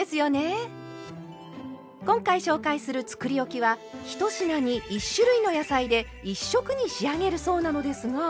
今回紹介するつくりおきは１品に１種類の野菜で１色に仕上げるそうなのですが。